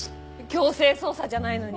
強制捜査じゃないのに！？